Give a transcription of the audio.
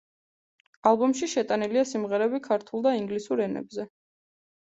ალბომში შეტანილია სიმღერები ქართულ და ინგლისურ ენებზე.